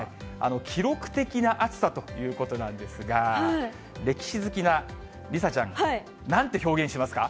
記録的な暑さということなんですが、歴史好きな梨紗ちゃん、なんて表現しますか。